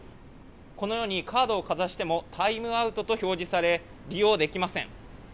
このように、カードをかざしてもＴｉｍｅＯｕｔと表示され、利用できません。